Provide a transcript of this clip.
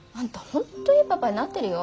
ホントいいパパになってるよ